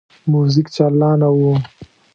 موزیک چالانه وو.